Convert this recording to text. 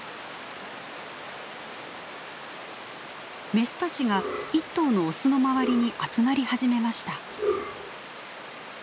メスたちが１頭のオスの周りに集まり始めました。